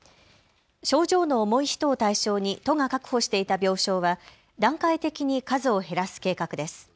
症状の重い人を対象に都が確保していた病床は段階的に数を減らす計画です。